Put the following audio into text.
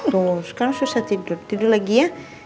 tuh sekarang susah tidur tidur lagi ya